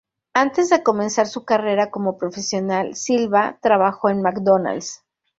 Antes de comenzar su carrera como profesional, Silva trabajó en McDonalds.